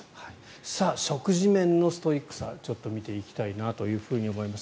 食事面でのストイックさ見ていきたいと思います。